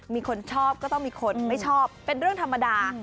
มีคนชอบก็ต้องมีคนไม่ชอบเป็นเรื่องธรรมดา